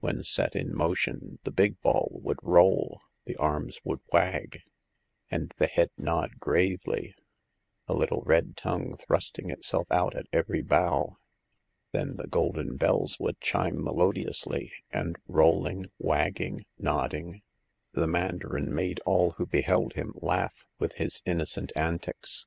When set in motion the big ball would roll, the arms would wag, and the head nod gravely, a little red tongue thrusting itself out at every bow. Then the golden bells would chime melodiously, and rolling, wagging, nodding, the mandarin made all who beheld him laugh, with his innocent antics.